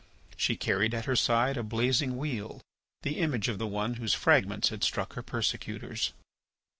She carried at her side a blazing wheel, the image of the one whose fragments had struck her persecutors.